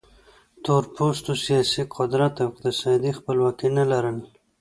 تور پوستو سیاسي قدرت او اقتصادي خپلواکي نه لرل.